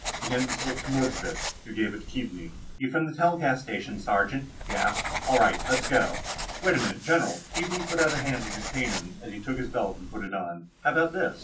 He handed the slip to Mordkovitz, who gave it to Keaveney. "You from the telecast station, sergeant?" he asked. "All right, let's go." "Wait a minute, general." Keaveney put out a hand to detain him as he took his belt and put it on. "How about this?"